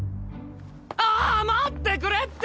あ待ってくれって！